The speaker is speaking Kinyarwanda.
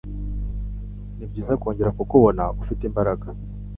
Nibyiza kongera kukubona ufite imbaraga.